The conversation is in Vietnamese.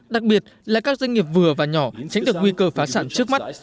đặc biệt là các doanh nghiệp vừa và nhỏ tránh được nguy cơ phá sản trước mắt